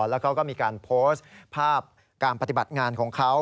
แล้วเขาก็มีการโพสต์ภาพการปฏิบัติงานของเขา